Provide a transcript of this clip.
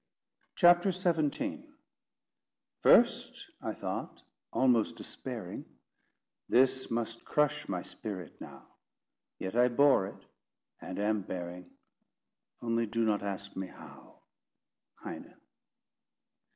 CHAPTER XVII "First, I thought, almost despairing, This must crush my spirit now; Yet I bore it, and am bearing— Only do not ask me how." HEINE.